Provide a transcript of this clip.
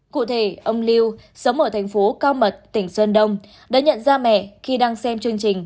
cụ thể ông lưu sống ở thành phố cao mật tỉnh sơn đông đã nhận ra mẹ khi đang xem chương trình